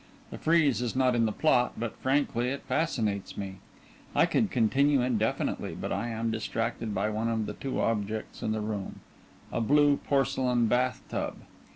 The frieze is not in the plot, but frankly it fascinates me. I could continue indefinitely, but I am distracted by one of the two objects in the room a blue porcelain bath tub.